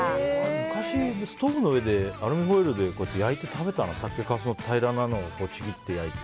昔、ストーブの上でアルミホイルで焼いて食べた酒かすの平らなのをちぎって。